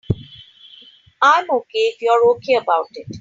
I'm OK if you're OK about it.